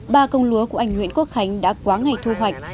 ba công lúa của anh nguyễn quốc khánh đã quá ngày thu hoạch